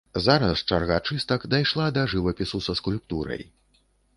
Зараз чарга чыстак дайшла да жывапісу са скульптурай.